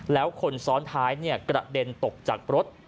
แล้วคนซ้อนท้ายกระเด็นตกจากรถ